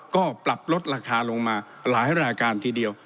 ก็ปรับลดราคาลงมาหลายรายการทีเดียว